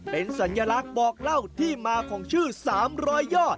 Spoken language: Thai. เป็นสัญลักษณ์บอกเล่าที่มาของชื่อ๓๐๐ยอด